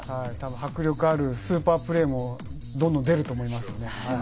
迫力あるスーパープレーもどんどん出ると思いますね。